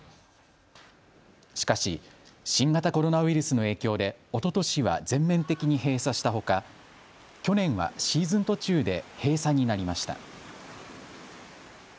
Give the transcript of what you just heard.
しかし、新型コロナウイルスの影響でおととしは全面的に閉鎖したほか去年はシーズン途中で閉鎖になりました。